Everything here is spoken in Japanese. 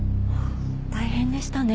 大変でしたね。